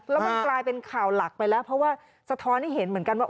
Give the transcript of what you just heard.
แล้วมันกลายเป็นข่าวหลักไปแล้วเพราะว่าสะท้อนให้เห็นเหมือนกันว่า